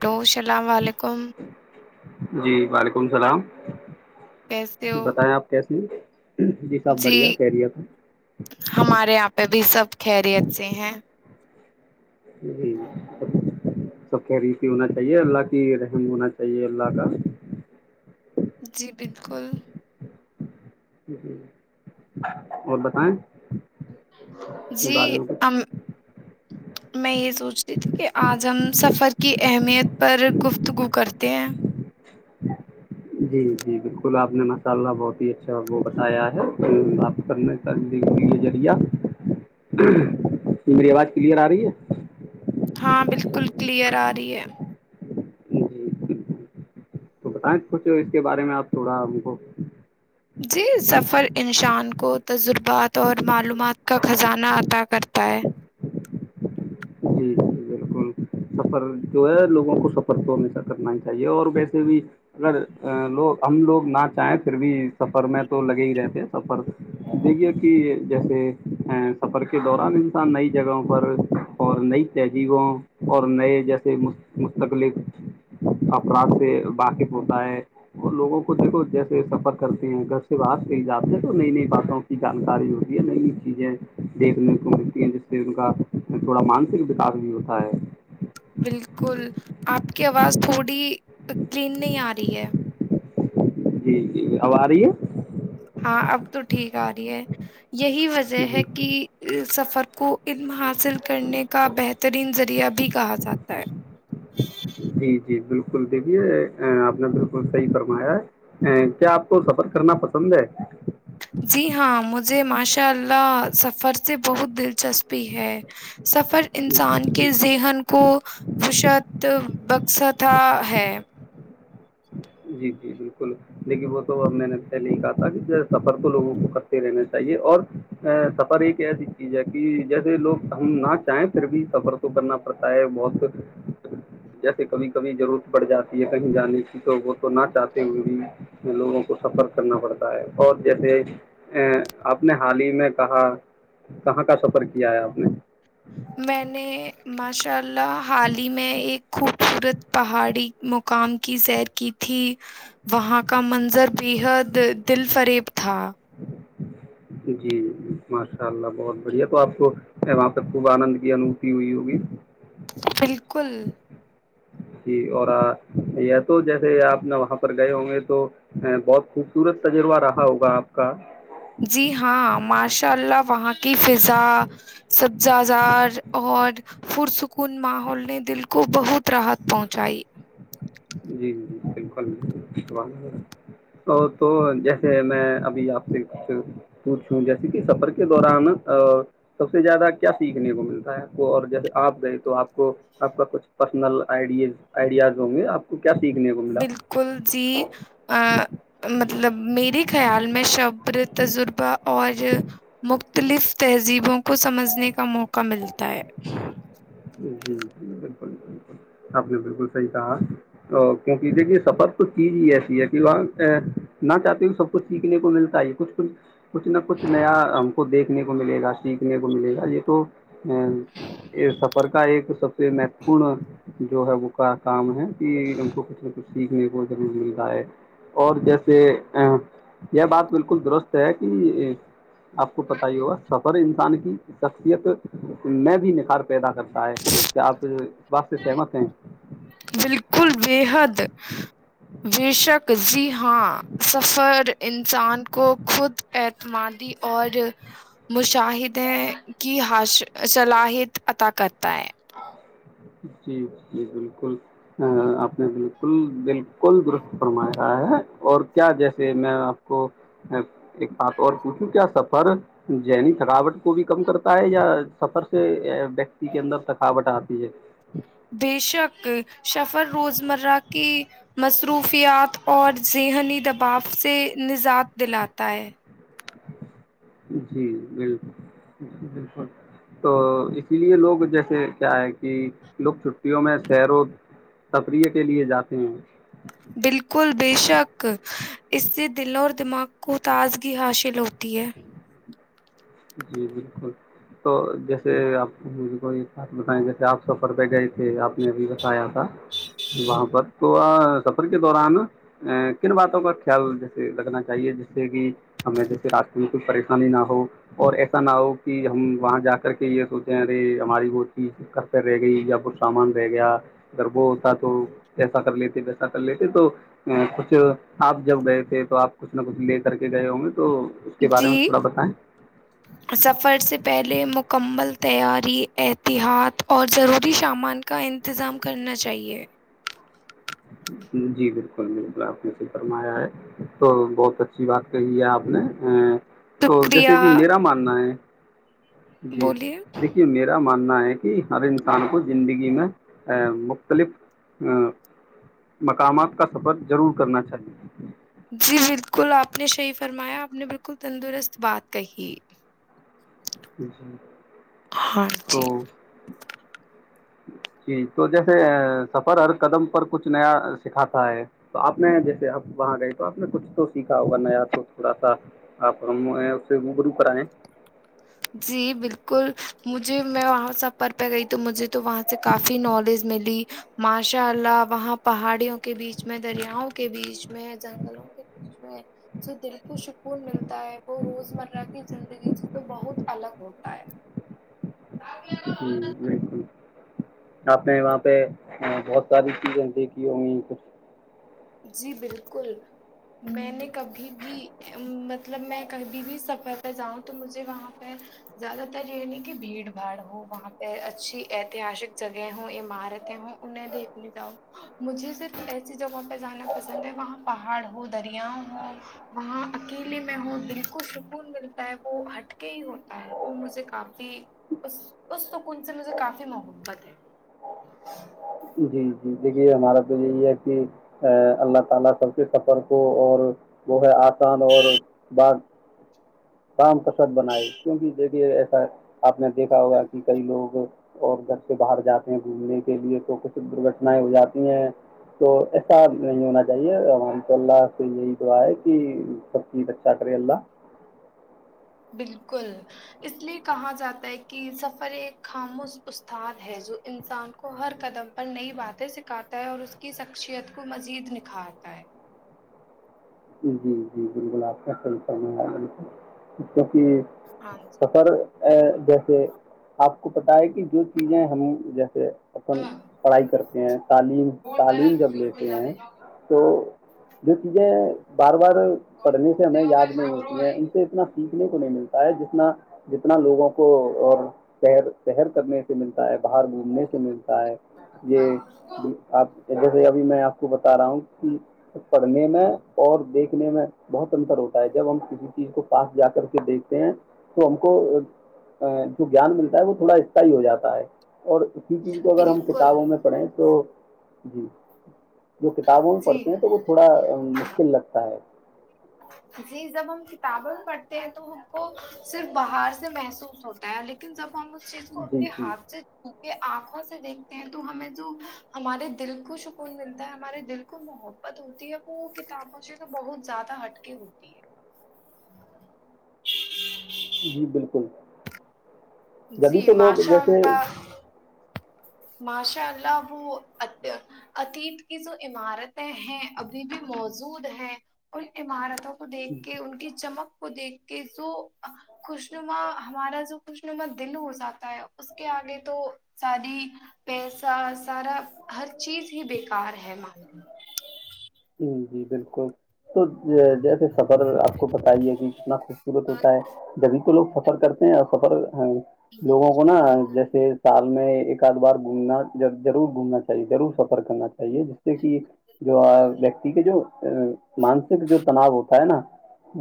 Hello السلام علیکم جی وعلیکم اللام کیسے ہو بتائیں آپ کیسے جی سب جی بڑھیا خیریت ہمارے یہاں پہ بھی سب خیری اچ سے ہیں جی سب کیری ہی ہونا چاہیے اللہ کی رحم ہونا چاہیے اللہ کا جی بالکل جی اور بتائیں اپنے جی بارے میں ہم کچھ میں سوچتی تھی کہ آج ہم سفر کی اہمیت پر گفت گتگو کرتے ہیں جی جی بالکل آپ نے ماشاء اللہ بہت ہی اچھا وہ بتایا ہے آ سےریہ میری آواز کلیئر آ رہی ہے ہاں بالکل کلیئر آ رہی ہے جی بالکل۔ تو بتائیں کچھ اس کے بارے میں آپ تھوڑا ہم کو جی سفر انسان کو تجربات اور معلومات کا خزانہ عطا کرتا ہے جی جی بالکل سفر جو ہے لوگوں کو سفر تو ہمیشہ کرنا ہی چاہیے اور ویسے بھی اگر لوگ ہم لوگ نہ چاہیں پھر بھی سفر میں تو لگے ہی رہتے ہیں سفر دیکھیے کہ جیسے سفر کے دوران انسان نئی جگہوں پر اور نئی تہذیبوں اور نئے جیسے مستقلک افراد سے واقف ہوتا ہے وہ لوگوں کو دیکھو جیسے سفر کرتے ہیں گھر سے باہر سے ہی جاتے ہیں تو نئی نئی باتوں کی جانکاری ہوتی ہے نئی نئی چیزیں دیکھنے کو ملتی ہیں جس سے ان کا تھوڑا مانسک وکاس بھی ہوتا ہے پڑی ترین نہیں آ رہی ہے جی جی اب آ رہی ہے ہاں اب تو ٹھیک آ رہی ہے یہی وجہ جی ہے کہ سفر کو علم حاصل کرنے کا بہترین ذریعہ بھی کہا جاتا ہے جی جی بالکل دیکھیے آپ نے بالکل صحیح فرمایا ہے کیا آپ کو سفر کرنا پسند ہے مجے ماشاء اللہ سفر سے بہت دل دلچسپی ہے سفر جی انسان جی کے ذہن کو [unintelligible] جی جی بالکل دیکھیے وہ تو اب میں نے پہلے ہی کہا تھا کہ سفر تو لوگوں کو کرتے رہنا چاہیے اور سفر ایک ایسی چیز ہے کہ جیسے لوگ ہم نہ چاہیں پھر بھی سفر تو کرنا پڑتا ہے بہت جیسے کبھی کبھی ضرورت پڑ جاتی ہے کہیں جانے کی تو تو نہ چاہتے ہوئے بھی لوگوں کو سفر کرنا پڑتا ہے اور جیسے آپ نے حال ہی میں کہا کہاں کا سفر کیا ہے آپ نے میں نے ماشاء اللہ حال ہی میں ایک خوبصورت پہاڑی مقام کی سیر کی تھی وہاں کا منظر بےحد دل فریب تھا جی جی جی ماشاء اللہ بہت بڑھیا تو آپ کو وہاں پہ خوب آنند کی انو تھی ہوئی ہوگی بالکل جی اور تو جیسے آپ ن وہاں پر گئے ہوں گے تو بہت خوبصورت تجربہ رہا ہوگا آپ کا انشاء اللہ وہاں کی فضا سبزہ زار اور پررسکون ماحول نے دل کو بہت راحت پہنچائی جی جی بالکل تو جیسے میں ابھی آپ سے کچھ پوچھوں جیسے کہ سفر کے دوران سب سے زیادہ کیا سیکھنے کو ملتا ہے آپ کو اور جیسے آپ گئے تو آپ کو آپ کا کچھ پرسنل آئیڈیز آئیڈیاز ہوں گے آپ کو کیا سیکھنے کو ملا بالکل جی مطلب میرے خیال میں سب تجربہ اور مختلف تہذیبوں کو سمجھنے کا موقع ملتا ہے [unintelligible] جی جی بالکل آپ نے بالکل صحیح کہا تو کیونکہ دیکھیے سفر کچھ چیز ہی ایسی ہے کہ وہاں نہ چاہتے ہو سب کچ سیکھنے کو ملتا ہے کچھ کچھ کچھ نہ کچھ نیا ہم کو دیکھ سنے کو ملے گا سیکھنے کو ملے گا یہ تو ا یہ سب کا ایک سب سے مہتوپورن جو ہے وہ کا کام ہے [inaudible] سیکھنے کو ضرور ملتا ہے اور جیسے یہ بات بالکل درست ہے کہ آپ کو پتا ہی ہوگا سفر انسان کی شخصیت میں بھی نکھار پیدا کر کیا آپ جو اس بات سے سہمت ہیں بالکل بے حد بے شک جی ہاں سفر انسان کو خود اعتمادی اور مشاہدے کی صلاحیت عطا کرتا ہے جی جی بالکل آپ نے بالکل بالکل درست فرمایا ہے اور کیا جیسے میں آپ کو ایک بات اور پوچھوں کیا سفر ذہنی تھکاوٹ کو بھی کم کرتا ہے یا سفر سے ویکتی کے اندر شک تھکاوٹ آتی ہیں بے شک شفر روزمرہ کے مصرو مروفیات اور ذہنی دباؤ سے نجات دلاتا ہے جی بال بالکل تو اسی لیے لوگ جیسے کیا ہے کہ لوگ چھٹیوں میں سیر و تفریح کے لیے جاتے ہیں بالکل بے شک اس سے دلوں دماغ کو تازگی حاصل ہوتی ہے جی بالکل تو جیسے آپ م کو ایک بات بتائیں جیسے آپ سفر پہ گئے تھے آپ نے ابھی بتایا تھا وہاں پر تو سفر کے دوران کن باتوں کا خیال جیسے رکھنا چاہیے جس سے کہ ہمیں جیسے راستے میں کوئی پریشانی نہ ہو اور ایسا نہ ہو کہ ہم وہاں جا کر کے یہ سوچے ہیں ارے ہماری وہ چیز کرتے رہ گئی یہ کچھ سامان رہ گیا اگر وہ ہوتا تو ایسا کر لیتے ویسا کر لیتے تو کچھ آپ جب گئے تھے تو آپ کچھ نہ کچھ لے کر کے گئے ہوں گے تو اس کے بارے میں جی تھوڑا بتائیں سفر سے پہلے مکمل تیاری احتیاط اور ضروری سامان کا انتظام کرنا چاہئے جی بالکل بالکل آپ نے صحی فرمایا ہے تو بہت اچھی بات کہی ہے آپ نے تو جیسے شکریہ کہ میرا ماننا ہے جی بولیے دیکھیے میرا مان کہ ہر انسان کو زندگی میں مختلف مقامات کا سفر ضرور کرنا چاہیے جی بالکل آپ نے صحیح فرمایا آپ نے بالکل تندرست بات کہی جی [inaudible] ہاں تو جی جی تو جیسے سفر ہر قدم پر کچھ نیا سکھاتا ہے تو آپ نے جیسے آپ وہاں گئے تو آپ نے کچھ تو سیکھا ہوگا نیا تو تھوڑا سا آپ اس سے روبرو کرائیں جی بالکل مجھے میں وہاں سفر پہ گئی تو مجھے تو وہاں سے کافی نالج ملی ماشاء اللہ وہاں پہاڑیوں کے بیچ میں دریاوں کے بیچ میں جنگلوں کے بیچ میں جو دل کو سکون ملتا ہے وہ روز مرہ کی زندگی کو بہت الگ ہوتا ہے جی بالکل آپ نے وہاں پہ بہت ساری چیزیں دیکھی ہو گئی کچھ جی بالکل میں نے کبھی بھیب مطلب میں کبھی بھی سفر پہ جاؤں تو مجھے وہاں پہ زیادہ تر یہ نہیں کہ بھیڑ باڑ ہو وہاں پہ اچھی ایتہسک جگہ ہو عمارتیں ہوں انہیں دیکھنے جاؤں مجھے صرف ایسی جگہ جانا پسند ہے وہاں پہاڑ ہو دریاؤ ہو وہاں اکیلے میں ہو بالکل سکون ملتا ہے وہ ہٹ کے ہی ہوتا ہے وہ مجھے کافی اس اس سکون سے مجھے کافی محبت ہے اللہ تعالی سب کے سفر کو اور جو ہے اسان اور باغ کسد بنائے کیونکہ دھی ای آپ نے دیکھا ہوگا کہ کئی لوگ اور گھر سے باہر جاتے ہیں گھومنے کے لیے تو کچھ درگھٹنائیں ہو جاتی ہیں تو ایسا نہیں ہونا چاہیے رحمت اللہ سے یہی دعا ہے کہ سب چیز اچھا کرے اللہ بالکل اس لیے کہا جاتا ہے کہ سفر ایک خاموش استاد ہے جو انسان کو ہر قدم پر نئی باتیں سکھاتا ہے اور اس کی شخصیت کو مزید نکھارتا ہے جی جی بالکل آپ کاصل کر بالکل کیک ہاں جی سفر جیسے آپ کو پتا ہے کہ جو چیزیں ہم جیسے اپن پڑھائی کرتے ہیں تعلیم تعلیم جب لیتے ہیں تو جو چیزیں بار بار پڑھنے سے ہمیں یاد نہیں ہوتی ہے ان سے اتنا فیس کو نہیں ملتا ہے جتنا جتنا لوگوں کو اورر پر کرنے سے ملتا ہے باہر گھومنے سے ملتا ہے یہ آپ جیسے ابھی میں آپ کو بتا رہا ہوں کہ پڑھنے میں اور دیکھنے میں بہت انتر ہوتا ہے جب ہم کسی چیز کو پاس جا کر کے دیکھتے ہیں تو ہم کو جو گان ملتا ہے وہ تھوڑا استائی ہو جاتا ہے اور اسی چیز کو اگر ہم بالکل کتابوں میں پڑھیں تو جی جو کتابوں میں جی پڑھتے ہیں تو وہ تھوڑا ہے جی جب ہم کتابیں میں پڑھتے ہیں تو ہم کو صرف باہر سے محسوس ہوتا ہے لیکن جب اس چیز کو جی اپنے جی ہاتھ سے یہ آنکھوں سے دیکھتے ہیں تو ہمیں جو ہمارے دل کو سکون ملتا ہے ہمارے دل کو محبت ہوتی ہے وہ کتابوں سے تو بہت زیادہ ہٹ متی ہے جی بالکل جی جبھی تو لوگ ماشاء جیسے اللہ ماشاء اللہ وہ اتیت کی جو عمارتیں ہیں ابھی بھی موجود ہیں ان عمارتوں کو کو دیکھ کے ان کی چمک کو دیکھ کسو خوشنما ہمارا جو خوش نمت دل ہو جاتا ہے اس کے آگے تو ساری پیسا سارا ہر چیز ہی بیکار ہے م جی جی بالکل تو جیسے سفر آپ کو پت ہی ہے کہ کتنا خوبصورت ہوتا ہے جبھی تو لوگ سفر سفر کرتے ہیں اور سفر ہاں لوگوں کو نا جیسے سال میں ایک کد بار گھومنا جب بھی ضرور گھومنا چاہیےضرور سفر کرنا چاہے صیے جس سے کہ جو ویکتی کے جو مانسک جو تناؤ ہوتا ہے نا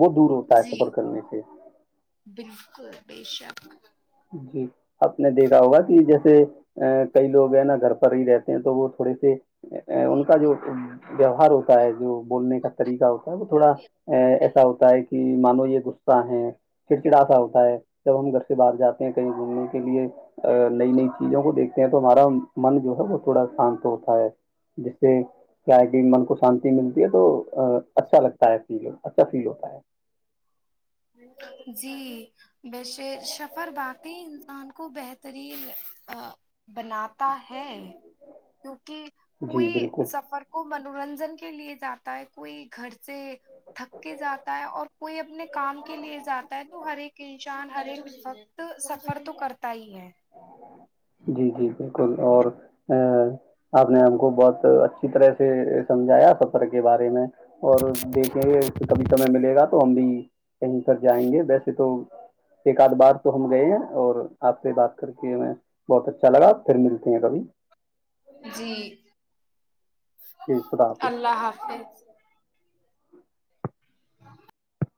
وہ دور ہوتا ہے جی سفر کرنے سے بالکل بے شک جی آپ نے دیکھا ہوگا کہ جیسے ا کئی لوگ ہیں نا گھر پر ہی رہتے ہیں تو وہ تھوڑے سے ان کا جو ویوہار ہوتا ہے جو بولنے کا طریقہ ہوتا وہ تھوڑا ا ایسا ہوتا ہے کہ مانو یہ غصہ ہے چڑچڑاسا ہوتا ہے جب ہم گھر سے باہر جاتے کہیں گھومنے کے لیے نئی نئی چیزوں کو دیکھتے ہیں تو ہمارا من جو ہے وہ تھوڑا شانت ہوتا ہے جس سے کیا ہے کہ من کو شانتی ملتی ہے تو اچھا لگتا ہے فل اچھا فیل ہوتا ہے جی ویسے سفر باقی انسان کو بہترین بناتا ہے کیونکہ جی پئی بالکل سفر کو من منورنجن کے لیے جاتا ہے کوئی گھر سے تھک کے جاتا ہے اور کوئی اپنے کام کے لیے جاتا ہے تو ہر ایک انسان ہر ایک وقت سفر تو کرتا ہی ہے جی جی بالکل اور ا آپ نے ہم کو بہت اچھی طرح سے سمجھایا سفر کے بارے میں اور دیکھیں گے کبھی سمے ملے گا تو ہم بھی کہیں کر جائیں گے ویسے تو ایک آد بار تو ہم گئے ہیں اور آپ سے بات کر کے میں بہت اچھا لگا پھر ملتے ہیں کبھی جی جی خدا [unintelligible] حافظ اللہ حافظ ہ [unintelligible]